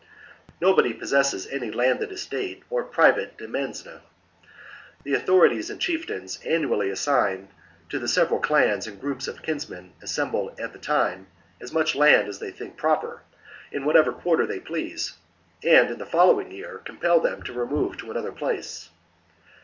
Nobody possesses any landed estate and have no or private demesne: the authorities and chief pJop^eny in tains annually assign to the several clans and '''"^' groups of kinsmen assembled at the time ^ as much land as they think proper, in whatever quarter they please, and in the following year compel them to remove to another place.